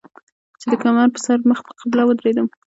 چې د کمر پۀ سر مخ پۀ قبله ودرېدم